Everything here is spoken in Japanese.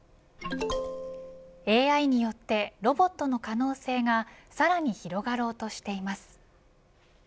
ＡＩによってロボットの可能性がさらに広がろうとしています。